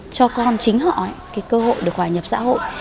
cho con chính họ cái cơ hội được hòa nhập xã hội